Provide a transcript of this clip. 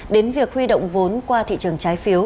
đến việc huy động vốn qua thị trường trái phiếu